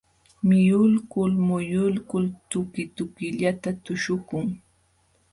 Miyulkul muyulkul tukitukillata tuśhukun.